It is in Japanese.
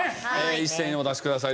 一斉にお出しください。